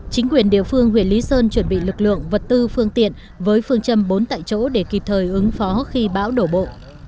chính quyền địa phương huyện lý sơn chuẩn bị lực lượng vật tư phương tiện với phương châm bốn tại chỗ để kịp thời ứng phó khi bão đổ bộ